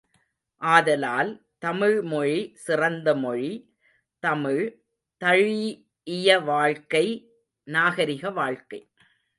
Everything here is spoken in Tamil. ஆதலால், தமிழ்மொழி சிறந்த மொழி, தமிழ் தழீஇய வாழ்க்கை நாகரிக வாழ்க்கை.